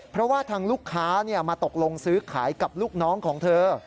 เพราะว่าทางลูกค้ามาตกลงซื้อขายกับลูกน้องของเธอ